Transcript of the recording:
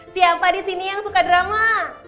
siapa di sini yang suka drama